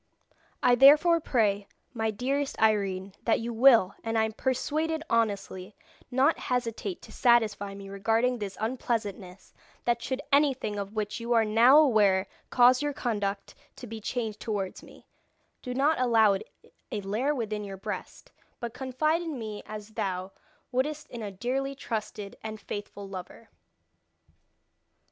I therefore pray, my dearest Irene, that you will, and I am persuaded honestly, not hesitate to satisfy me regarding this unpleasantness, that should anything of which you are now aware cause your conduct to be changed towards me, do not allow it a lair within your breast, but confide in me as thou wouldst in a dearly trusted and faithful lover."